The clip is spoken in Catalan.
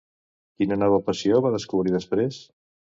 Quina nova passió va descobrir després?